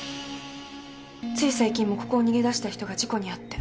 つい最近もここを逃げ出した人が事故にあって。